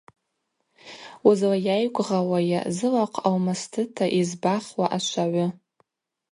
Уызлайайгвгъауайа зылахъв алмастыта йызбахуа ашвагӏвы.